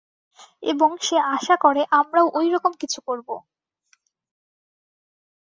এবং সে আশা করে আমরাও ঐরকম কিছু করবো।